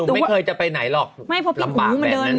หนุ่มไม่เคยจะไปไหนหรอกลำบากแบบนั้น